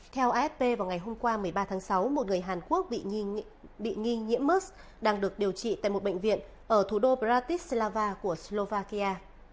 theo afp vào ngày hôm qua một mươi ba tháng sáu một người hàn quốc bị nghi nhiễm mx đang được điều trị tại một bệnh viện ở thủ đô pratislava của slovakia